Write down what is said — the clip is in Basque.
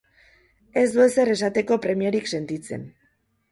Ez du ezer esateko premiarik sentitzen.